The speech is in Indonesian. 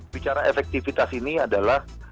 bicara efektivitas ini adalah